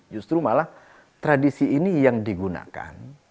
justru malah tradisi ini yang digunakan